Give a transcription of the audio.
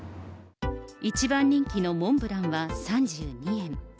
一番人気のモンブランは３２円。